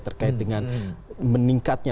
terkait dengan meningkatnya